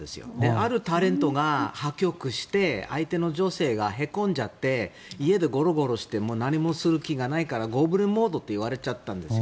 あるタレントが破局して相手の女性がへこんじゃって家でゴロゴロして何もする気がないからゴブリン・モードと言われちゃったんですよ。